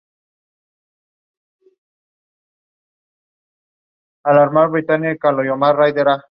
Las empresas locales fabrican lámparas, frigoríficos, equipo de hockey, bicicletas, tejido, papel e imprenta.